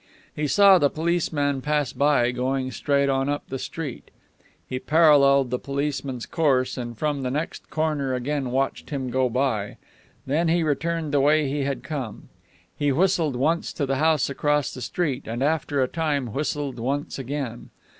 He saw the policeman pass by, going straight on up the street. He paralleled the policeman's course, and from the next corner again watched him go by; then he returned the way he had come. He whistled once to the house across the street, and after a time whistled once again.